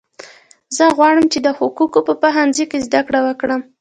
زه غواړم چې د حقوقو په پوهنځي کې زده کړه وکړم